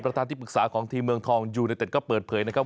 ทางที่ปรึกษาของทีมเมืองทองยูเนเต็ดก็เปิดเผยนะครับ